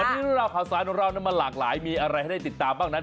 วันนี้เรื่องราวข่าวสารของเรามันหลากหลายมีอะไรให้ได้ติดตามบ้างนั้น